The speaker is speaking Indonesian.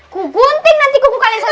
gugunting nanti kuku kalian satu